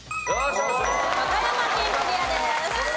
和歌山県クリアです。